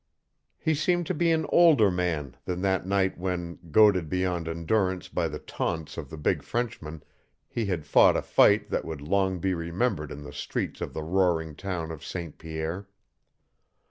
He seemed to be an older man than that night when, goaded beyond endurance by the taunts of the big Frenchman, he had fought a fight that would long be remembered in the streets of the roaring town of St. Pierre.